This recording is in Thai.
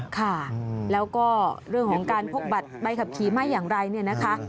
ค่ะแล้วก็เรื่องของการพกบัตรใบขับขี่ไม่อย่างไรเนี่ยนะคะ